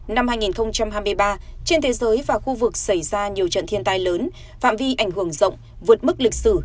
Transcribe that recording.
năm hai nghìn hai mươi ba trên thế giới và khu vực xảy ra nhiều trận thiên tai lớn phạm vi ảnh hưởng rộng vượt mức lịch sử